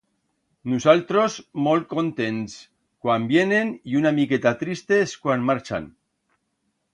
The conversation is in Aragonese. Nusaltros molt contents cuan vienen y una miqueta tristes cuan marchan.